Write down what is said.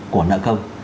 của nợ công